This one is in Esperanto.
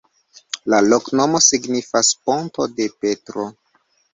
La loknomo signifas: ponto de Petro.